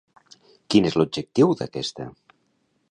Quin és l'objectiu d'aquesta?